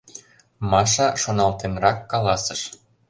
Маша шоналтенрак каласыш: